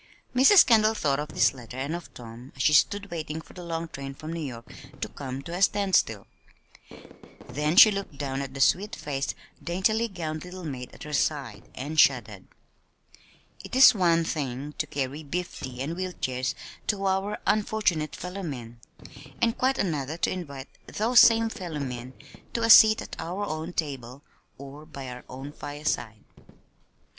Mrs. Kendall thought of this letter and of Tom as she stood waiting for the long train from New York to come to a standstill; then she looked down at the sweet faced daintily gowned little maid at her side, and shuddered it is one thing to carry beef tea and wheel chairs to our unfortunate fellow men, and quite another to invite those same fellow men to a seat at our own table or by our own fireside.